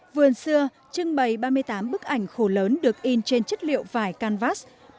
vườn xưa trưng bày ba mươi tám bức ảnh khổ lớn được in trên chất liệu vải canvas